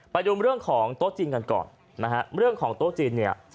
ไปดูเรื่องของโต๊ะจีนกันก่อนนะฮะเรื่องของโต๊ะจีนเนี่ย